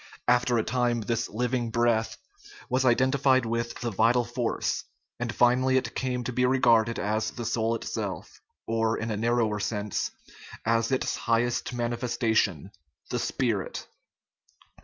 After a time this " living breath " was identified with the " vital force," and finally it came to be regarded as the soul itself, or, in a narrower sense, as its highest manifes tation, the " spirit."